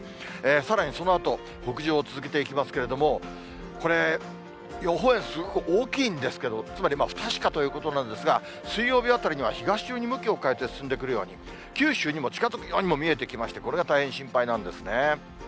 さらにそのあと、北上を続けていきましたけれども、これ、予報円、すごく大きいんですけど、つまり不確かということなんですが、水曜日あたりには東寄りに向きを変えて進んでくるように、九州にも近づくようにも見えてきまして、これが大変心配なんですね。